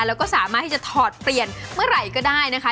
แล้วก็สามารถที่จะถอดเปลี่ยนเมื่อไหร่ก็ได้นะคะ